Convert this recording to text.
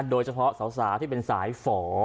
โดยเฉพาะสาวที่เป็นสายฝ่อ